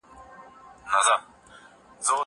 زه کولای سم پاکوالی وکړم؟!